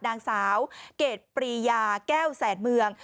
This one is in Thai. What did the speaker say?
นางสาวเกรดปรียาแก้วแสนเมือง